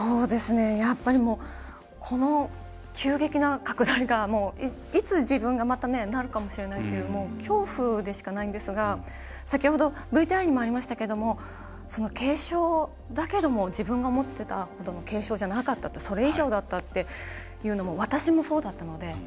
やっぱりこの急激な拡大がいつ自分がまたなるかもしれないという恐怖でしかないんですが先ほどＶＴＲにもありましたけど軽症だけども自分が思ってたほどの軽症じゃなかったってそれ以上だったっていうのも私もそうだったので。